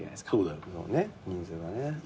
人数がね。